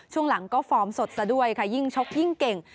ช่วงหลังก็ฟอร์มสดซะด้วยค่ะยิ่งชกยิ่งเก่ง